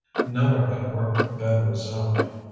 Nowhere had work been resumed.